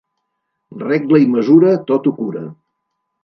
Regla i mesura tot ho cura.